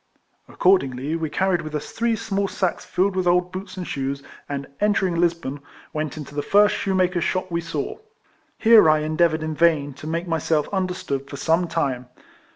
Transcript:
Accordingly, we carried with us three small sacks filled with old boots and shoes, and entering Lisbon, went into the first shoemaker's shop we saw. Here I endea voured in vain to make myself understood for some time.